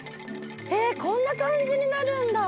へえこんな感じになるんだ。